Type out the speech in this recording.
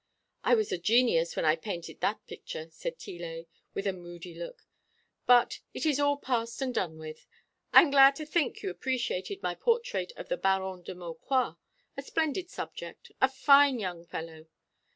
"I was a genius when I painted that picture," said Tillet, with a moody look; "but it is all past and done with. I am glad to think you appreciated my portrait of the Baron de Maucroix, a splendid subject, a fine young fellow.